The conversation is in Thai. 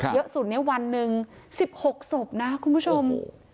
เยอะสุดเนี่ยวันหนึ่ง๑๖ศพนะคุณผู้ชม